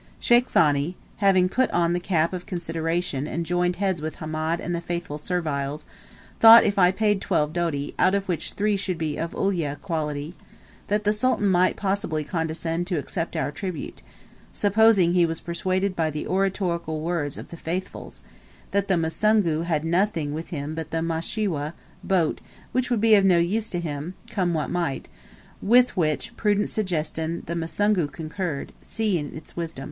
Sheikh Thani, having put on the cap of consideration and joined heads with Hamed and the faithful serviles, thought if I paid twelve doti, out of which three should be of Ulyah+ quality, that the Sultan might possibly condescend to accept our tribute; supposing he was persuaded by the oratorical words of the "Faithfuls," that the Musungu had nothing with him but the mashiwa (boat), which would be of no use to him, come what might, with which prudent suggestion the Musungu concurred, seeing its wisdom.